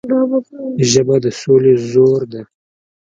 ژبه د سولې زور ده